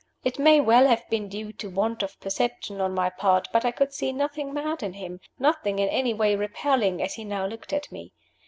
It may well have been due to want of perception on my part but I could see nothing mad in him, nothing in any way repelling, as he now looked at me.